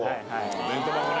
弁当箱ね。